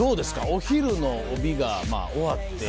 お昼の帯が終わって。